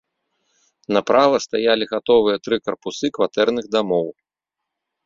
Направа стаялі гатовыя тры карпусы кватэрных дамоў.